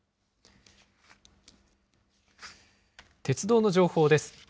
鉄道の情報です。